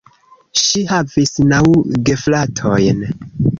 Ŝi havis naŭ gefratojn.